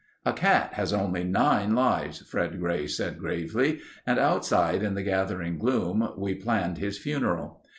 "A cat has only nine lives," Fred Gray said gravely, and outside in the gathering gloom we planned his funeral.